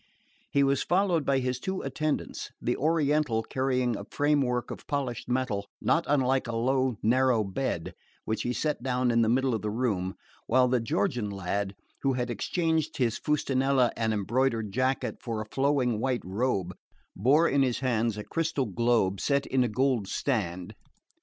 He was followed by his two attendants, the Oriental carrying a frame work of polished metal, not unlike a low narrow bed, which he set down in the middle of the room; while the Georgian lad, who had exchanged his fustanella and embroidered jacket for a flowing white robe, bore in his hands a crystal globe set in a gold stand.